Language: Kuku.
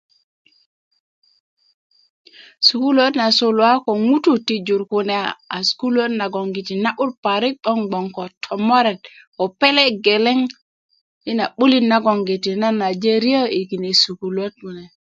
Sukuluöt na suluwa ko ŋutuu ti jur kune a sukuluöt nagongiti na'but parik 'boŋ gown ko tomoret ko pele' geleŋ yina a 'bulit nagon nan aje ryö i kine sukuluöt kune